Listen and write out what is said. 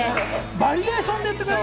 バリエーションって言ってくれない？